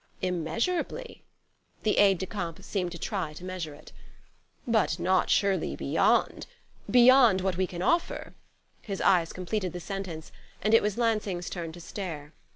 "Immeasurably?" The aide de camp seemed to try to measure it. "But not, surely, beyond beyond what we can offer," his eyes completed the sentence; and it was Lansing's turn to stare.